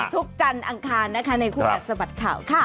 ทุกวันจันทร์อังคารนะคะในคู่กัดสะบัดข่าวค่ะ